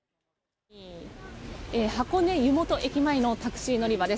箱根湯本駅前のタクシー乗り場です。